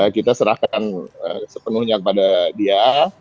kita serahkan sepenuhnya kepada dia